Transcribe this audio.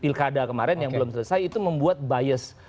pilkada kemarin yang belum selesai itu membuat bias